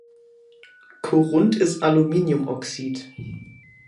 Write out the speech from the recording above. Korund ist Aluminiumoxyd.